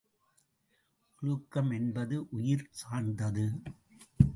ஒழுக்கம் என்பது உயிர் சார்ந்தது.